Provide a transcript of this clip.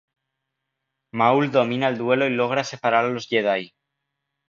Maul domina el duelo y logra separar a los Jedi.